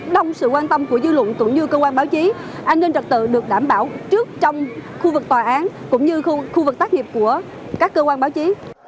đông sự quan tâm của dư luận cũng như cơ quan báo chí an ninh trật tự được đảm bảo trước trong khu vực tòa án cũng như khu vực tác nghiệp của các cơ quan báo chí